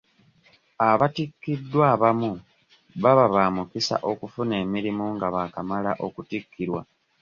Abatikiddwa abamu baba ba mukisa okufuna emirimu nga baakamala okuttikirwa.